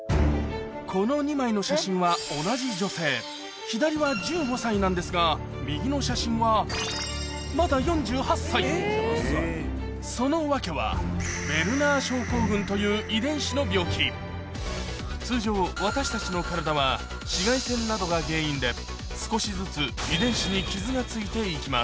この２枚の写真は左は右の写真はまだその訳はウェルナー症候群という遺伝子の病気通常私たちの体は紫外線などが原因で少しずつ遺伝子に傷が付いていきます